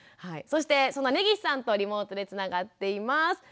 そしてその根岸さんとリモートでつながっています。